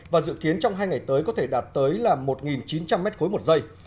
và dự kiến trong hai ngày tới có thể đạt tới là một chín trăm linh m ba một giây